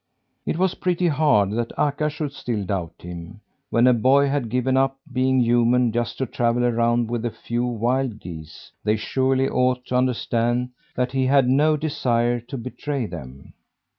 It was pretty hard that Akka should still doubt him. When a boy had given up being human, just to travel around with a few wild geese, they surely ought to understand that he had no desire to betray them.